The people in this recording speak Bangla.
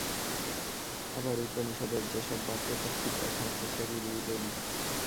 আবার উপনিষদের যে-সব বাক্যে শক্তির কথা আছে, সেগুলিই বলি।